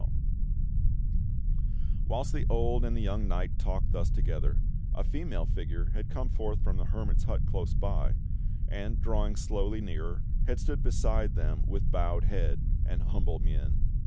Whilst the old and the young knight talked thus together, a female figure had come forth from the hermit's hut close by, and, drawing slowly nearer, had stood beside them with bowed head and humble mien.